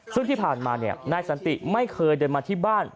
ซึ่งที่ผ่านมานายสันติไม่เคยเดินมาที่บ้าน